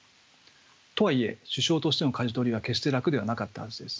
とはいえ首相としての舵取りは決して楽ではなかったはずです。